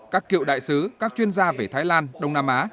các cựu đại sứ các chuyên gia về thái lan đông nam á